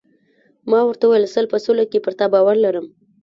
ما ورته وویل: سل په سلو کې پر تا باور لرم.